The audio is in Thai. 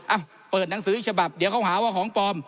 อ่ะเปิดหนังสืออีกฉบับเดี๋ยวเขาหาว่าของปลอม